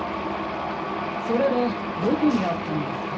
それはどこにあったのですか？